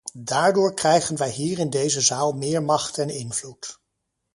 Daardoor krijgen wij hier in deze zaal meer macht en invloed.